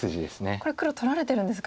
これ黒取られてるんですか。